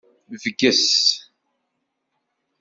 Bges.